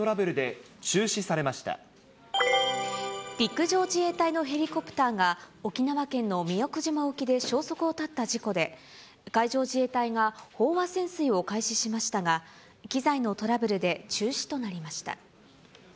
陸上自衛隊のヘリコプターが、沖縄県の宮古島沖で消息を絶った事故で、海上自衛隊が飽和潜水を開始しましたが、機材のトラブルで中止となりました。